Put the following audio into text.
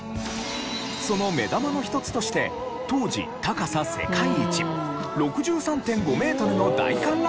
その目玉の一つとして当時高さ世界一６３．５メートルの大観覧車を作成。